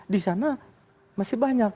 di sana masih banyak